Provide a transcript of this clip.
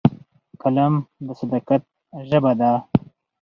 قلم د صداقت ژبه ده